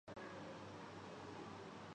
اب اتنے نہیں۔